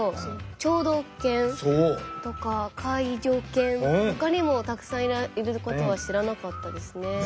聴導犬とか介助犬ほかにもたくさんいることは知らなかったですね。